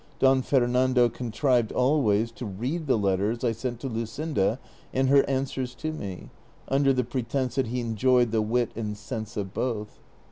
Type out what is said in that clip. Don Fernando contrived always to read the letters I sent to Luscinda and her answers to me, under the pretence that he enjoyed the wit and sense of both.